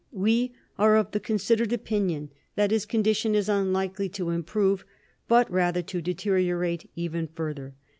We are of the considered opinion that his condition is unlikely to improve, but rather to deteriorate even further.